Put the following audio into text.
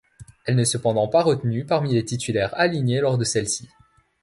Elle n'est cependant pas retenue parmi les titulaires alignées lors de celles-ci.